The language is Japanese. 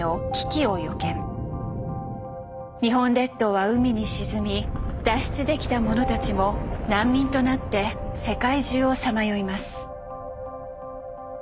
日本列島は海に沈み脱出できた者たちも難民となって世界中をさまよいます。